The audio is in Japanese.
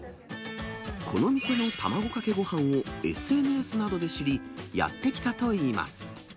この店の卵かけごはんをＳＮＳなどで知り、やって来たといいます。